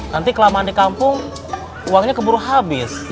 nanti kelamaan di kampung uangnya keburu habis